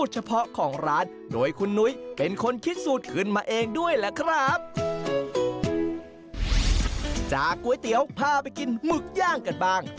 จากก๋วยเตี๋ยวพาไปกินหมึกย่างกันบ้าง